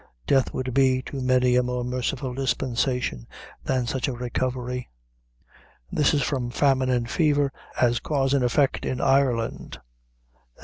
Death would be to many a more merciful dispensation than such a recovery." Famine and Fever, as Clause and Effect in Ireland, &a.